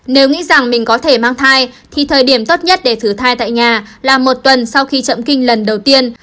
nếu nghĩ rằng mình có thể mang thai thì thời điểm tốt nhất để thử thai tại nhà là một tuần sau khi chậm kinh lần đầu tiên